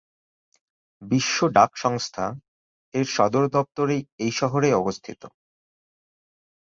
বিশ্ব ডাক সংস্থা -এর সদর দপ্তর এই শহরে অবস্থিত।